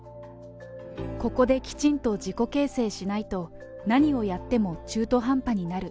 ここできちんと自己形成しないと、何をやっても中途半端になる。